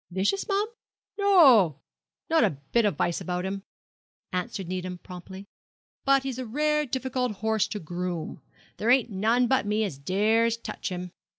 'Vicious, mum? no, not a bit of vice about him,' answered Needham promptly, 'but he's a rare difficult horse to groom. There ain't none but me as dares touch him.